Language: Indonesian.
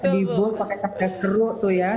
di buah pakai tanda seru tuh ya